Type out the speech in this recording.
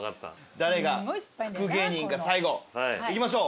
誰が福芸人か最後いきましょう。